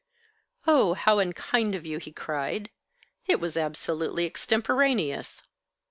"Oh, how unkind of you!" he cried. "It was absolutely extemporaneous."